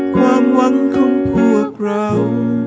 ความหวังของพวกเรา